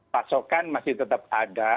pasokan masih tetap ada